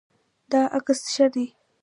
دا عکس ښه دی